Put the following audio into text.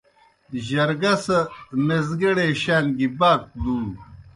جرگہ سہ میزگیڑے شان گیْ باک دُو۔